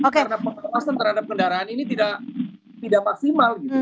karena pengawasan terhadap kendaraan ini tidak maksimal